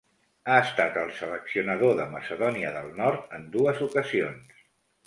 Ha estat el seleccionador de Macedònia del Nord en dues ocasions.